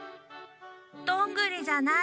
どんぐりじゃない！